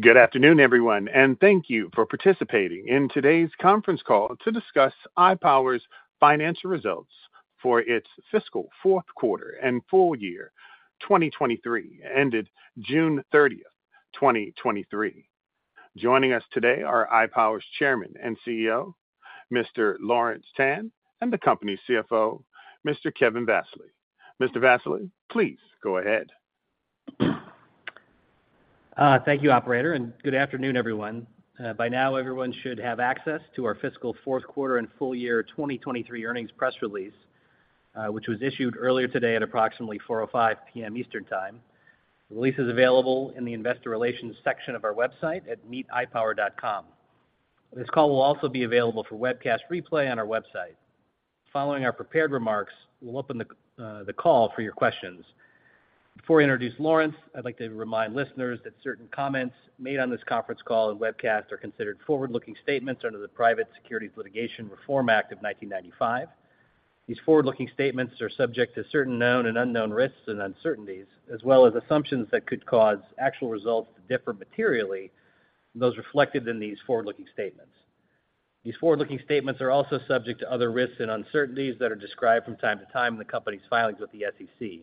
Good afternoon, everyone, and thank you for participating in today's conference call to discuss iPower's financial results for its fiscal fourth quarter and full year, 2023, ended June 30, 2023. Joining us today are iPower's Chairman and CEO, Mr. Lawrence Tan, and the company's CFO, Mr. Kevin Vassily. Mr. Vassily, please go ahead. Thank you, operator, and good afternoon, everyone. By now, everyone should have access to our fiscal fourth quarter and full year 2023 earnings press release, which was issued earlier today at approximately 4:05 P.M. Eastern Time. The release is available in the investor relations section of our website at ipower.com. This call will also be available for webcast replay on our website. Following our prepared remarks, we'll open the call for your questions. Before I introduce Lawrence, I'd like to remind listeners that certain comments made on this conference call and webcast are considered forward-looking statements under the Private Securities Litigation Reform Act of 1995. These forward-looking statements are subject to certain known and unknown risks and uncertainties, as well as assumptions that could cause actual results to differ materially from those reflected in these forward-looking statements. These forward-looking statements are also subject to other risks and uncertainties that are described from time to time in the company's filings with the SEC.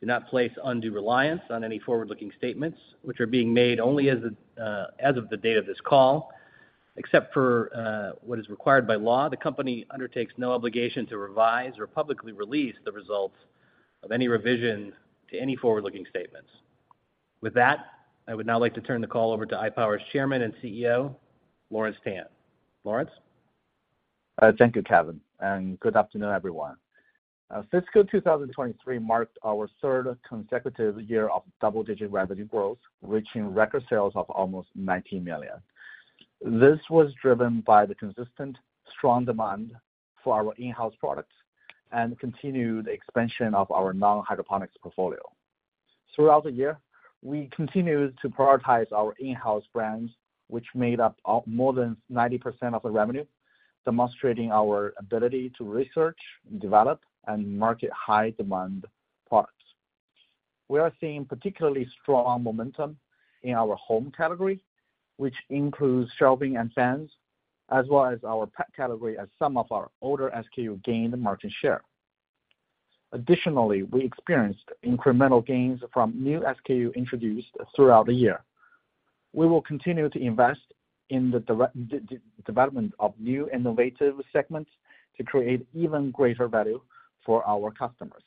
Do not place undue reliance on any forward-looking statements, which are being made only as of the date of this call. Except for what is required by law, the company undertakes no obligation to revise or publicly release the results of any revision to any forward-looking statements. With that, I would now like to turn the call over to iPower's Chairman and CEO, Lawrence Tan. Lawrence? Thank you, Kevin, and good afternoon, everyone. Fiscal 2023 marked our third consecutive year of double-digit revenue growth, reaching record sales of almost $90 million. This was driven by the consistent strong demand for our in-house products and continued expansion of our non-hydroponics portfolio. Throughout the year, we continued to prioritize our in-house brands, which made up more than 90% of the revenue, demonstrating our ability to research, develop, and market high-demand products. We are seeing particularly strong momentum in our home category, which includes shelving and fans, as well as our pet category, as some of our older SKU gained market share. Additionally, we experienced incremental gains from new SKU introduced throughout the year. We will continue to invest in the development of new innovative segments to create even greater value for our customers.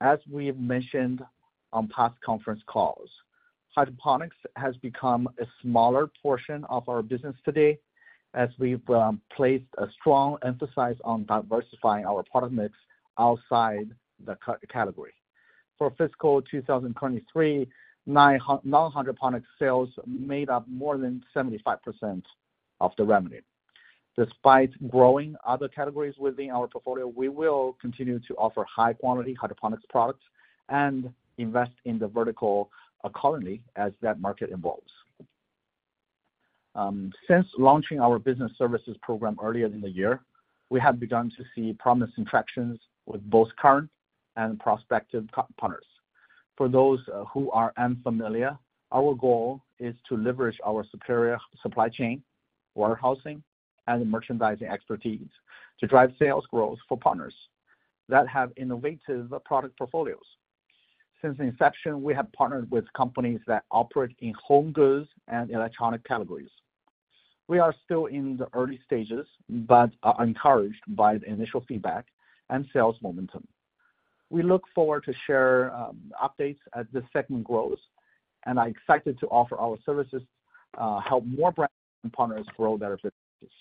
As we've mentioned on past conference calls, hydroponics has become a smaller portion of our business today, as we've placed a strong emphasis on diversifying our product mix outside the category. For fiscal 2023, non-hydroponic sales made up more than 75% of the revenue. Despite growing other categories within our portfolio, we will continue to offer high-quality hydroponics products and invest in the vertical, accordingly, as that market evolves. Since launching our business services program earlier in the year, we have begun to see promising traction with both current and prospective partners. For those who are unfamiliar, our goal is to leverage our superior supply chain, warehousing, and merchandising expertise to drive sales growth for partners that have innovative product portfolios. Since inception, we have partnered with companies that operate in home goods and electronics categories. We are still in the early stages but are encouraged by the initial feedback and sales momentum. We look forward to share updates as this segment grows, and are excited to offer our services help more brands and partners grow their businesses.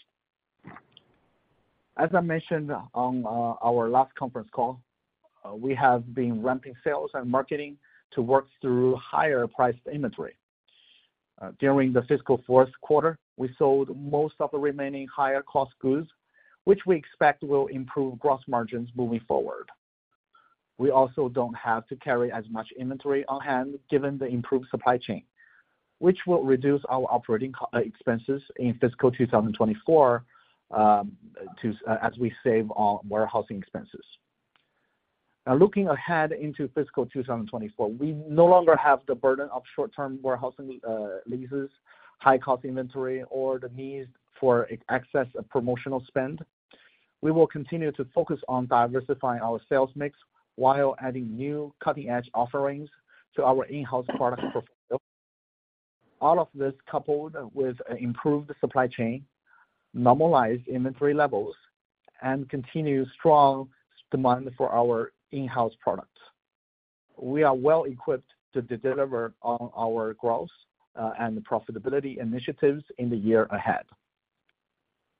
As I mentioned on our last conference call, we have been ramping sales and marketing to work through higher-priced inventory. During the fiscal fourth quarter, we sold most of the remaining higher-cost goods, which we expect will improve gross margins moving forward. We also don't have to carry as much inventory on hand, given the improved supply chain, which will reduce our operating expenses in fiscal 2024, as we save on warehousing expenses. Now, looking ahead into fiscal 2024, we no longer have the burden of short-term warehousing leases, high-cost inventory, or the need for excess promotional spend. We will continue to focus on diversifying our sales mix while adding new cutting-edge offerings to our in-house product portfolio. All of this coupled with improved supply chain, normalized inventory levels, and continued strong demand for our in-house products. We are well-equipped to deliver on our growth and profitability initiatives in the year ahead.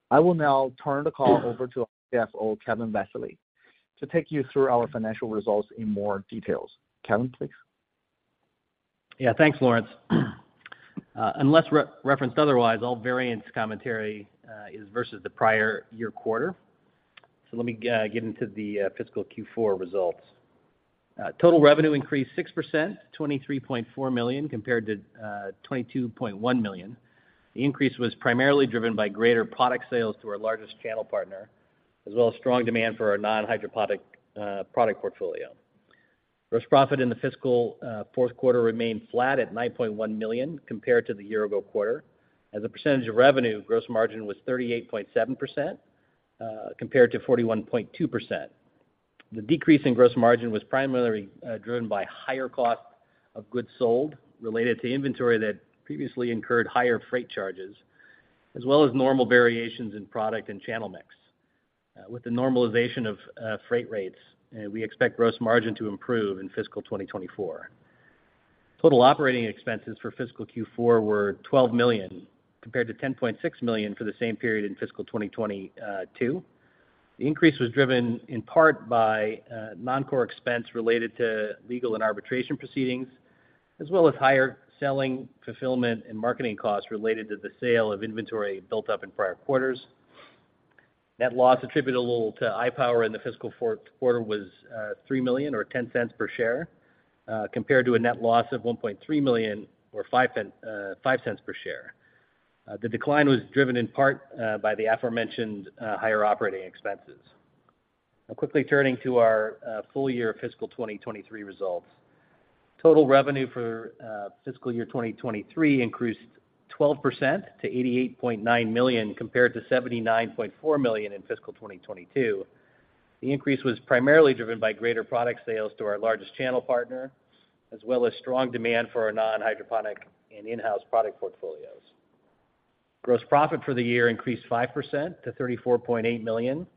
I will now turn the call over to CFO, Kevin Vassily, to take you through our financial results in more details. Kevin, please. Yeah, thanks, Lawrence. Unless referenced otherwise, all variance commentary is versus the prior year quarter. So let me get into the fiscal Q4 results. Total revenue increased 6%, $23.4 million compared to $22.1 million. The increase was primarily driven by greater product sales to our largest channel partner, as well as strong demand for our non-hydroponic product portfolio. Gross profit in the fiscal fourth quarter remained flat at $9.1 million compared to the year-ago quarter. As a percentage of revenue, gross margin was 38.7% compared to 41.2%. The decrease in gross margin was primarily driven by higher cost of goods sold related to inventory that previously incurred higher freight charges, as well as normal variations in product and channel mix. With the normalization of freight rates, and we expect gross margin to improve in fiscal 2024. Total operating expenses for fiscal Q4 were $12 million, compared to $10.6 million for the same period in fiscal 2022. The increase was driven in part by non-core expense related to legal and arbitration proceedings, as well as higher selling, fulfillment, and marketing costs related to the sale of inventory built up in prior quarters. Net loss attributable to iPower in the fiscal fourth quarter was $3 million or $0.10 per share, compared to a net loss of $1.3 million or $0.05 per share. The decline was driven in part by the aforementioned higher operating expenses. Now, quickly turning to our full year fiscal 2023 results. Total revenue for fiscal year 2023 increased 12% to $88.9 million, compared to $79.4 million in fiscal 2022. The increase was primarily driven by greater product sales to our largest channel partner, as well as strong demand for our non-hydroponic and in-house product portfolios. Gross profit for the year increased 5% to $34.8 million,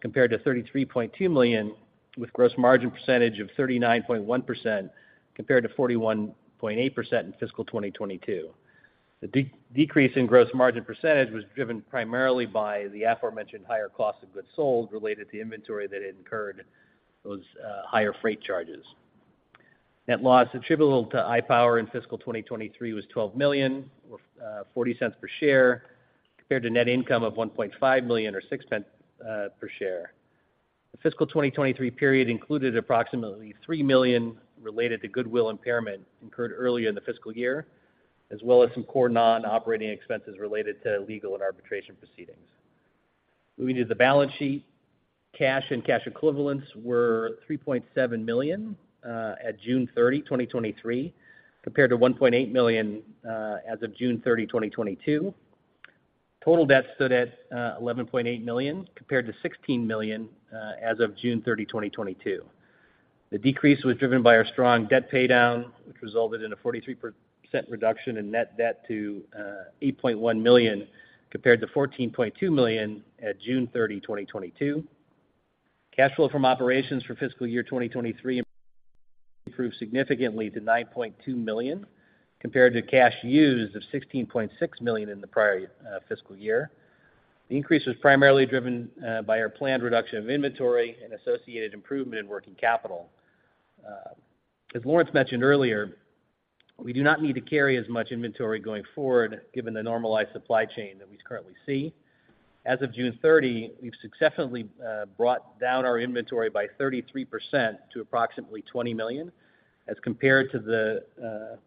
compared to $33.2 million, with gross margin percentage of 39.1% compared to 41.8% in fiscal 2022. The decrease in gross margin percentage was driven primarily by the aforementioned higher cost of goods sold related to inventory that had incurred those higher freight charges. Net loss attributable to iPower in fiscal 2023 was $12 million or $0.40 per share, compared to net income of $1.5 million or $0.06 per share. The fiscal 2023 period included approximately $3 million related to goodwill impairment incurred earlier in the fiscal year, as well as some core non-operating expenses related to legal and arbitration proceedings. Moving to the balance sheet, cash and cash equivalents were $3.7 million at June 30, 2023, compared to $1.8 million as of June 30, 2022. Total debt stood at $11.8 million, compared to $16 million as of June 30, 2022. The decrease was driven by our strong debt paydown, which resulted in a 43% reduction in net debt to $8.1 million, compared to $14.2 million at June 30, 2022. Cash flow from operations for fiscal year 2023 improved significantly to $9.2 million, compared to cash used of $16.6 million in the prior fiscal year. The increase was primarily driven by our planned reduction of inventory and associated improvement in working capital. As Lawrence mentioned earlier, we do not need to carry as much inventory going forward, given the normalized supply chain that we currently see. As of June 30, we've successfully brought down our inventory by 33% to approximately $20 million, as compared to the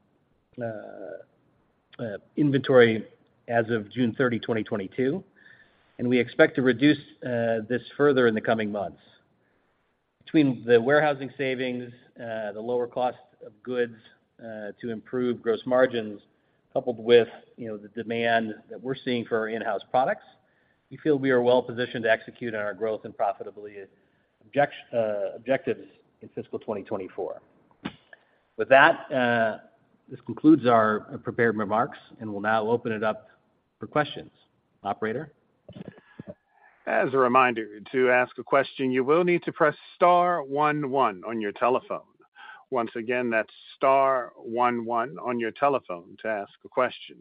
inventory as of June 30, 2022. We expect to reduce this further in the coming months. Between the warehousing savings, the lower cost of goods to improve gross margins, coupled with, you know, the demand that we're seeing for our in-house products, we feel we are well positioned to execute on our growth and profitability objectives in fiscal 2024. With that, this concludes our prepared remarks, and we'll now open it up for questions. Operator? As a reminder, to ask a question, you will need to press star one one on your telephone. Once again, that's star one one on your telephone to ask a question.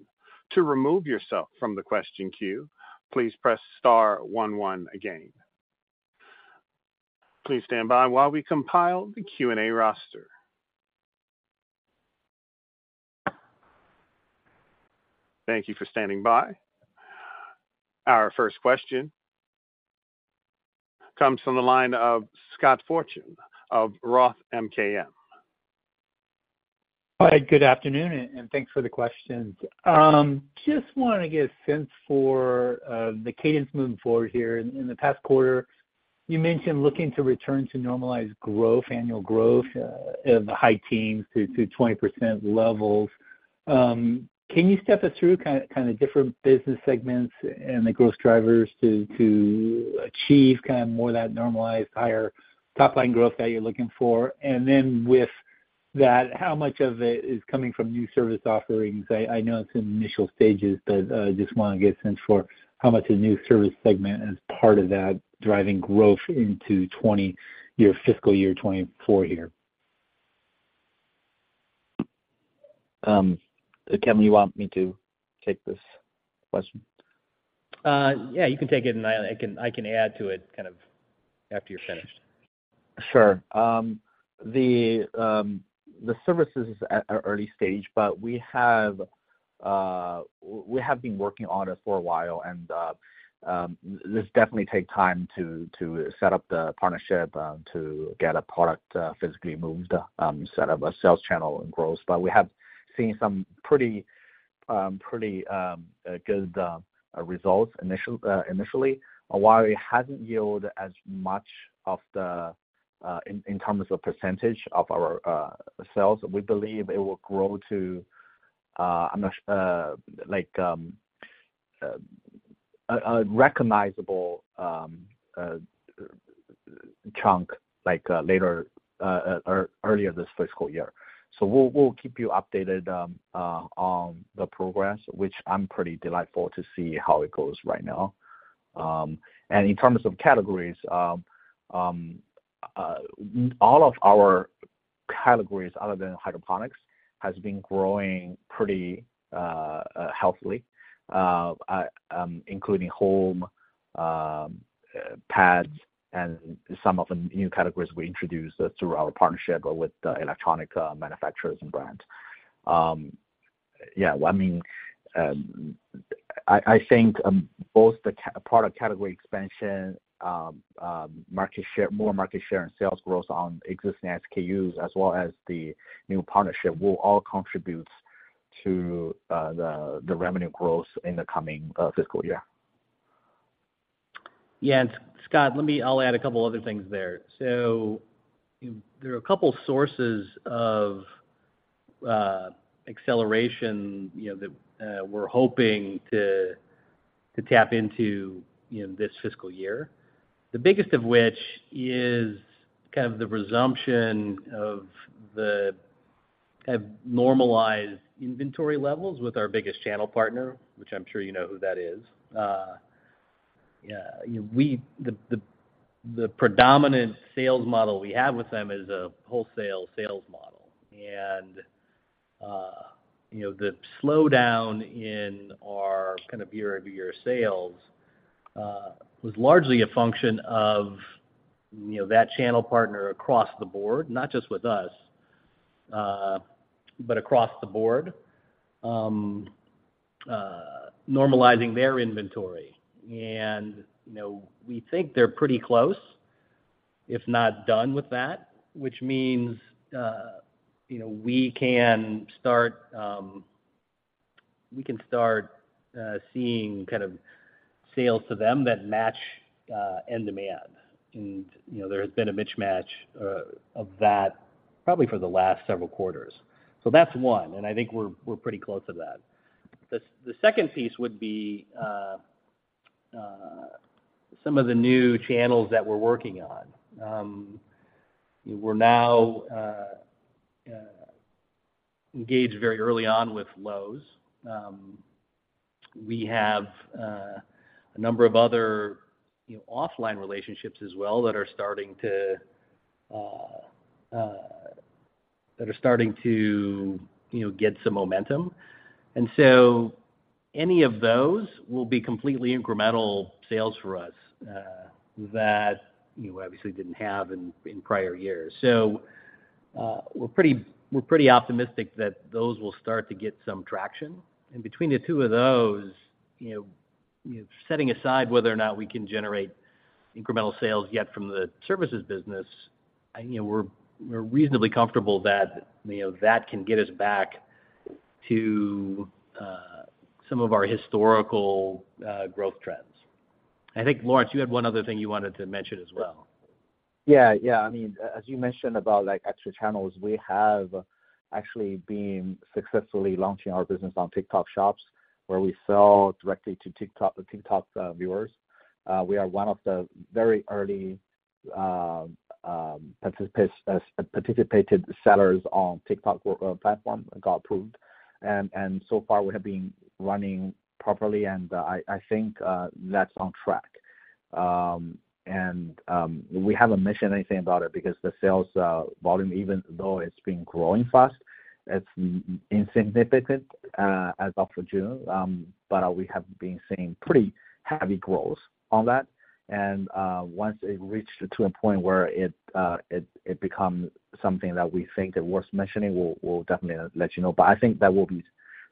To remove yourself from the question queue, please press star one one again. Please stand by while we compile the Q&A roster. Thank you for standing by. Our first question comes from the line of Scott Fortune of ROTH MKM. Hi, good afternoon, and thanks for the questions. Just want to get a sense for the cadence moving forward here. In the past quarter, you mentioned looking to return to normalized growth, annual growth, of the high teens to 20% levels. Can you step us through kind of different business segments and the growth drivers to achieve kind of more of that normalized, higher top-line growth that you're looking for? And then with that, how much of it is coming from new service offerings? I know it's in initial stages, but just want to get a sense for how much the new service segment is part of that driving growth into 2024, your fiscal year 2024 year. Kevin, you want me to take this question? Yeah, you can take it, and I can add to it kind of after you're finished. Sure. The services is at an early stage, but we have been working on it for a while, and this definitely take time to set up the partnership, to get a product physically moved, set up a sales channel and growth. But we have seen some pretty-... pretty good results initially. While it hasn't yield as much of the in terms of percentage of our sales, we believe it will grow to like a recognizable chunk like later earlier this fiscal year. So we'll keep you updated on the progress, which I'm pretty delightful to see how it goes right now. And in terms of categories, all of our categories other than Hydroponics has been growing pretty healthily, including home, pets, and some of the new categories we introduced through our partnership with the electronics manufacturers and brands. Yeah, I mean, I think both the product category expansion, market share—more market share and sales growth on existing SKUs, as well as the new partnership, will all contribute to the revenue growth in the coming fiscal year. Yeah, and Scott, let me—I'll add a couple other things there. So there are a couple sources of acceleration, you know, that we're hoping to tap into, you know, this fiscal year. The biggest of which is kind of the resumption of the normalized inventory levels with our biggest channel partner, which I'm sure you know who that is. Yeah, you know, the predominant sales model we have with them is a wholesale sales model. And you know, the slowdown in our kind of year-over-year sales was largely a function of, you know, that channel partner across the board, not just with us, but across the board, normalizing their inventory. You know, we think they're pretty close, if not done with that, which means, you know, we can start seeing kind of sales to them that match end demand. You know, there has been a mismatch of that probably for the last several quarters. So that's one, and I think we're pretty close to that. The second piece would be some of the new channels that we're working on. We're now engaged very early on with Lowe's. We have a number of other, you know, offline relationships as well that are starting to get some momentum. And so any of those will be completely incremental sales for us, that you obviously didn't have in prior years. So, we're pretty optimistic that those will start to get some traction. Between the two of those, you know, setting aside whether or not we can generate incremental sales yet from the services business, you know, we're reasonably comfortable that, you know, that can get us back to some of our historical growth trends. I think, Lawrence, you had one other thing you wanted to mention as well. Yeah, yeah. I mean, as you mentioned about like extra channels, we have actually been successfully launching our business on TikTok Shop, where we sell directly to TikTok, the TikTok viewers. We are one of the very early participated sellers on TikTok platform, got approved. And so far we have been running properly, and I think that's on track. We haven't mentioned anything about it because the sales volume, even though it's been growing fast, it's insignificant as of June, but we have been seeing pretty heavy growth on that. And once it reached to a point where it become something that we think that worth mentioning, we'll definitely let you know. But I think that will be,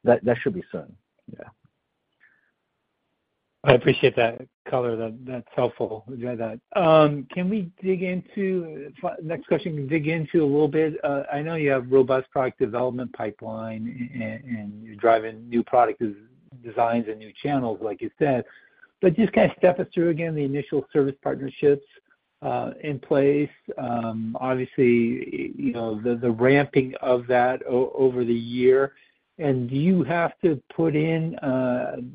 that should be soon. Yeah. I appreciate that color. That's helpful. Yeah, can we dig into a little bit? I know you have robust product development pipeline and you're driving new product designs and new channels, like you said. But just kind of step us through, again, the initial service partnerships in place. Obviously, you know, the ramping of that over the year. And do you have to put in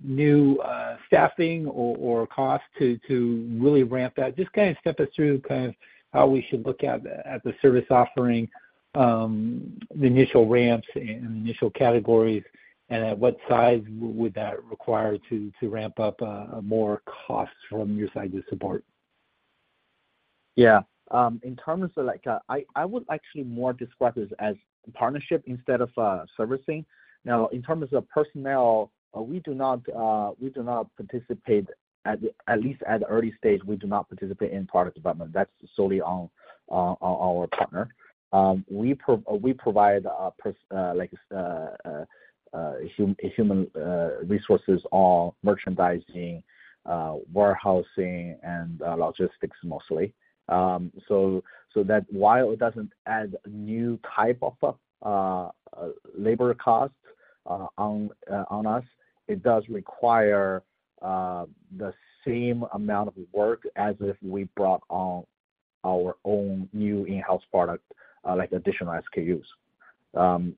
new staffing or cost to really ramp that? Just kind of step us through kind of how we should look at the service offering, the initial ramps and initial categories, and at what size would that require to ramp up more costs from your side to support? Yeah. In terms of like, I would actually more describe this as partnership instead of servicing. Now, in terms of personnel, we do not participate at least at the early stage, we do not participate in product development. That's solely on our partner. We provide like human resources on merchandising, warehousing, and logistics, mostly. So that while it doesn't add a new type of labor cost on us, it does require the same amount of work as if we brought on our own new in-house product like additional SKUs.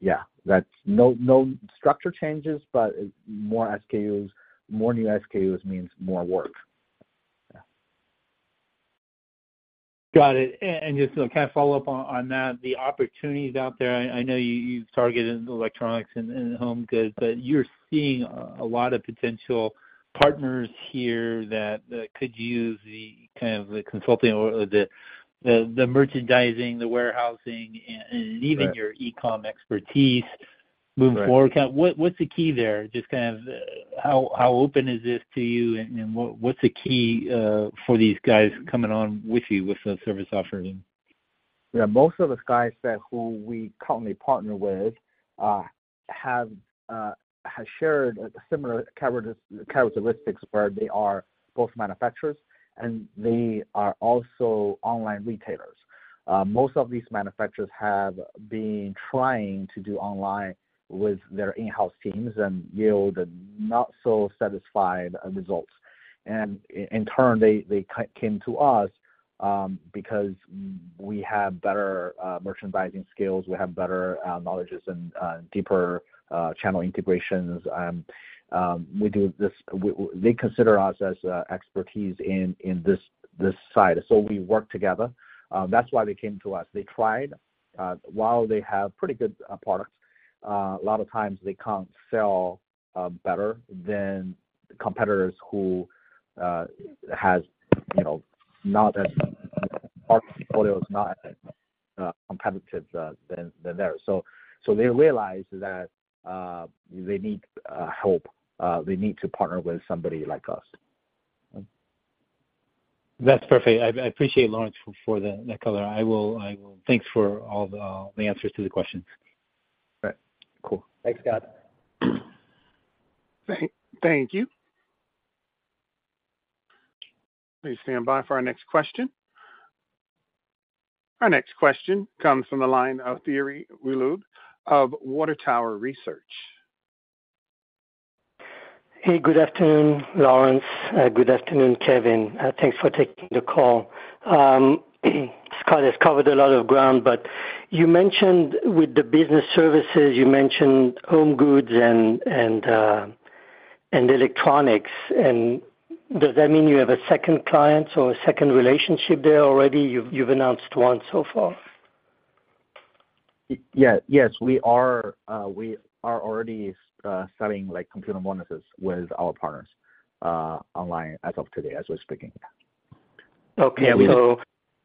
Yeah, that's no structure changes, but more SKUs, more new SKUs means more work. Yeah. Got it. And just to kind of follow up on that, the opportunities out there, I know you, you've targeted electronics and home goods, but you're seeing a lot of potential partners here that could use the kind of the consulting or the merchandising, the warehousing, and- Right. even your e-com expertise moving forward. Right. What's the key there? Just kind of how open is this to you, and what's the key for these guys coming on with you with the service offering? Yeah, most of the guys who we currently partner with have shared similar characteristics where they are both manufacturers, and they are also online retailers. Most of these manufacturers have been trying to do online with their in-house teams and yield not so satisfied results. In turn, they came to us because we have better merchandising skills, we have better knowledges and deeper channel integrations, and we do this. They consider us as expertise in this side. So we work together. That's why they came to us. They tried, while they have pretty good products, a lot of times they can't sell better than the competitors who has, you know, not as... our portfolio is not competitive than theirs. So they realize that they need help. They need to partner with somebody like us. That's perfect. I appreciate, Lawrence, for that color. Thanks for all the answers to the questions. Right. Cool. Thanks, Scott. Thank you. Please stand by for our next question. Our next question comes from the line of Thierry Wuilloud of Water Tower Research. Hey, good afternoon, Lawrence. Good afternoon, Kevin. Thanks for taking the call. Scott has covered a lot of ground, but you mentioned with the business services, you mentioned home goods and electronics, and does that mean you have a second client or a second relationship there already? You've announced one so far. Yes, yes, we are already selling, like, computer monitors with our partners online as of today, as we're speaking. Okay, so-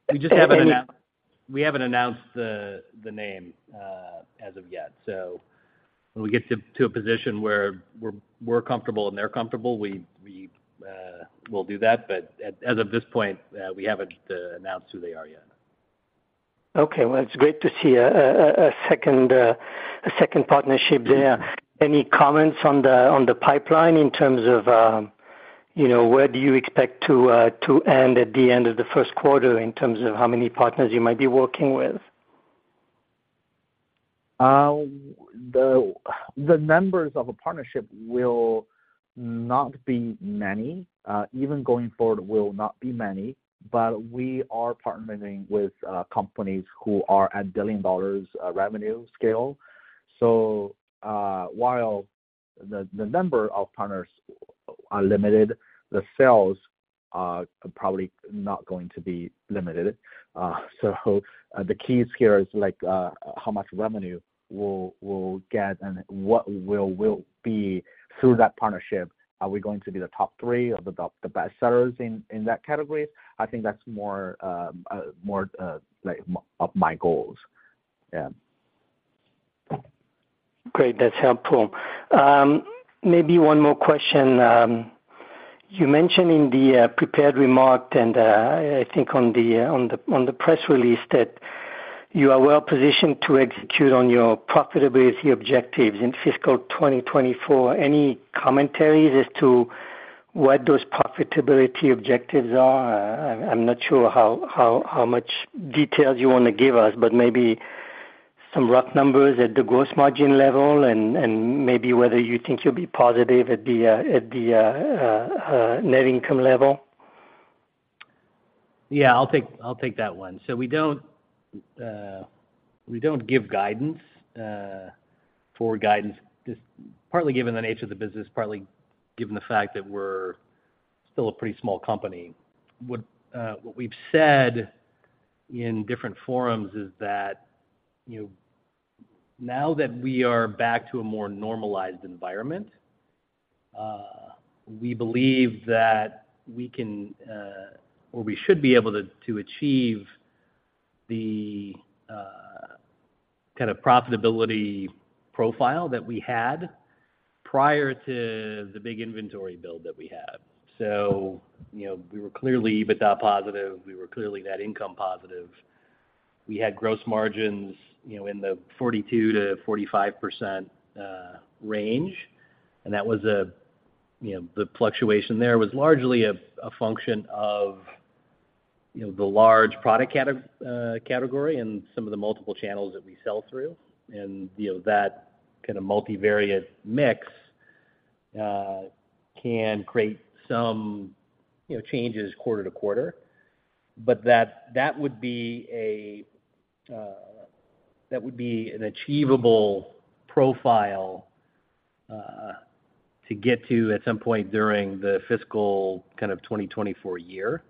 We just haven't announced- We haven't announced the name as of yet. So when we get to a position where we're comfortable and they're comfortable, we'll do that. But as of this point, we haven't announced who they are yet. Okay. Well, it's great to see a second partnership there. Any comments on the pipeline in terms of you know where do you expect to end at the end of the first quarter in terms of how many partners you might be working with? The numbers of a partnership will not be many, even going forward will not be many, but we are partnering with companies who are at $1 billion revenue scale. So, while the number of sales are probably not going to be limited, the keys here is like how much revenue we'll get and what will be through that partnership. Are we going to be the top three or the best sellers in that category? I think that's more like of my goals. Yeah. Great. That's helpful. Maybe one more question. You mentioned in the prepared remarks, and I think on the press release, that you are well positioned to execute on your profitability objectives in fiscal 2024. Any commentaries as to what those profitability objectives are? I'm not sure how much details you want to give us, but maybe some rough numbers at the gross margin level and maybe whether you think you'll be positive at the net income level. Yeah, I'll take, I'll take that one. So we don't, we don't give guidance, for guidance, just partly given the nature of the business, partly given the fact that we're still a pretty small company. What, what we've said in different forums is that, you know, now that we are back to a more normalized environment, we believe that we can, or we should be able to, to achieve the, kind of profitability profile that we had prior to the big inventory build that we had. So, you know, we were clearly, EBITDA positive. We were clearly net income positive. We had gross margins, you know, in the 42%-45% range, and that was a, you know, the fluctuation there was largely a, a function of-... You know, the large product category and some of the multiple channels that we sell through. And, you know, that kind of multivariate mix can create some, you know, changes quarter to quarter. But that would be an achievable profile to get to at some point during the fiscal kind of 2024 year.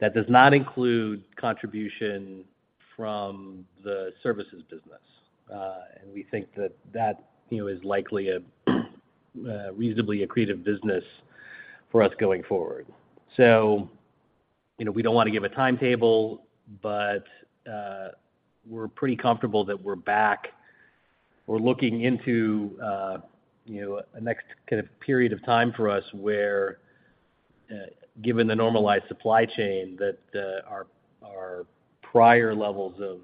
That does not include contribution from the services business. And we think that, you know, is likely a reasonably accretive business for us going forward. So, you know, we don't want to give a timetable, but we're pretty comfortable that we're back. We're looking into, you know, a next kind of period of time for us, where, given the normalized supply chain, that our prior levels of,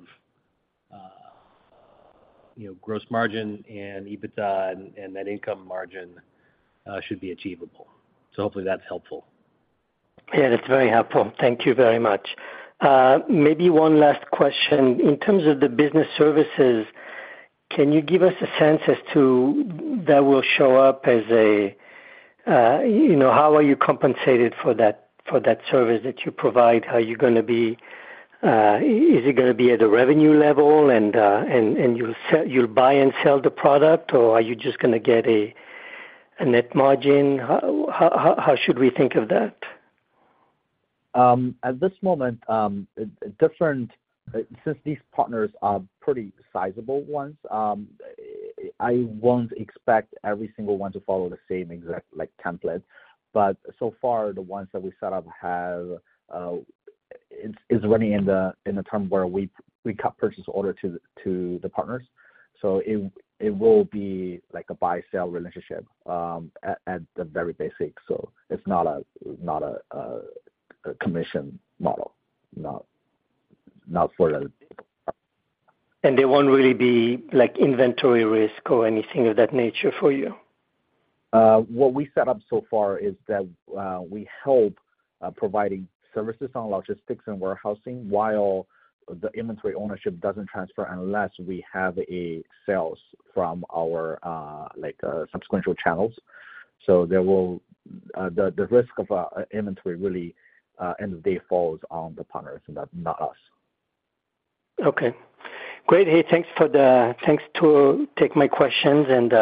you know, gross margin and EBITDA and net income margin, should be achievable. So hopefully that's helpful. Yeah, that's very helpful. Thank you very much. Maybe one last question. In terms of the business services, can you give us a sense as to that will show up as a, you know, how are you compensated for that, for that service that you provide? How are you gonna be... Is it gonna be at a revenue level, and you'll buy and sell the product, or are you just gonna get a net margin? How should we think of that? At this moment, since these partners are pretty sizable ones, I won't expect every single one to follow the same exact like, template. But so far, the ones that we set up have, it's running in the term where we cut purchase order to the partners. So it will be like a buy-sell relationship, at the very basic. So it's not a commission model, not for them. There won't really be, like, inventory risk or anything of that nature for you? What we set up so far is that we help providing services on logistics and warehousing while the inventory ownership doesn't transfer unless we have a sales from our, like, sequential channels. So there will the risk of inventory really end of day falls on the partners and not us. Okay. Great. Hey, thanks for the... Thanks to take my questions, and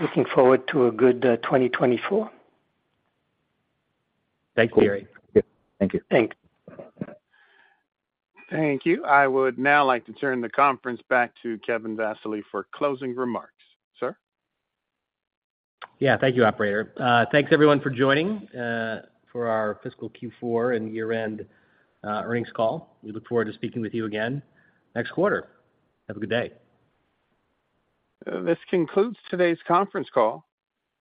looking forward to a good 2024. Thanks, Thierry. Thank you. Thanks. Thank you. I would now like to turn the conference back to Kevin Vassily for closing remarks. Sir? Yeah. Thank you, operator. Thanks everyone for joining, for our fiscal Q4 and year-end earnings call. We look forward to speaking with you again next quarter. Have a good day. This concludes today's conference call.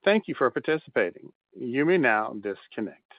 Thank you for participating. You may now disconnect.